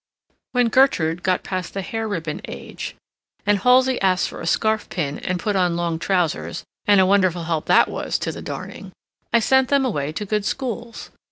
When Gertrude got past the hair ribbon age, and Halsey asked for a scarf pin and put on long trousers—and a wonderful help that was to the darning.—I sent them away to good schools.